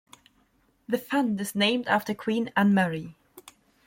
The fund is named after Queen Anne-Marie.